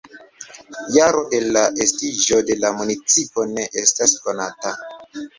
Jaro de la estiĝo de la municipo ne estas konata.